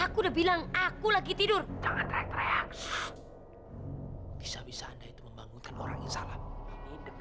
ketangan putri saya clio